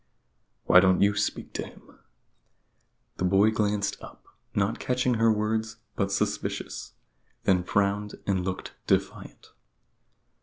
"Why don't you speak to him?" The boy glanced up, not catching her words, but suspicious: then frowned and looked defiant.